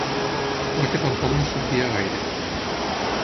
Clar que tampoc no sortia gaire.